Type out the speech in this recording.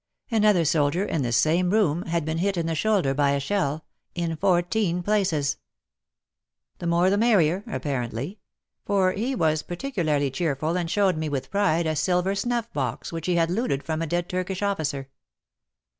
Another soldier in this same room had been hit in the shoulder by a shell — in fourteen places. The more the merrier" apparently — for he was particularly cheerful and showed me with pride a silver snuff box which he had looted from a dead Turkish officer.